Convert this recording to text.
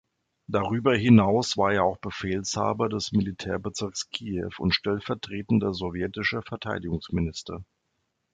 Darüber hinaus war er auch Befehlshaber des Militärbezirks Kiew und stellvertretender sowjetischer Verteidigungsminister.